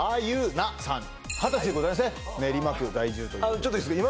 ちょっといいっすか